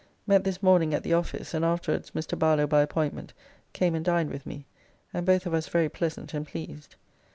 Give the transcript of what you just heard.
Met this morning at the office, and afterwards Mr. Barlow by appointment came and dined with me, and both of us very pleasant and pleased.